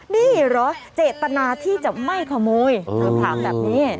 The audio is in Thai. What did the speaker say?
นี่เหรอเจตนาที่จะไม่ขโมยเธอถามแบบนี้